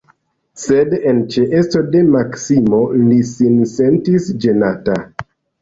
Sed en ĉeesto de Maksimo li sin sentis ĝenata.